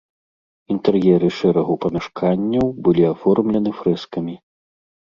Інтэр'еры шэрагу памяшканняў былі аформлены фрэскамі.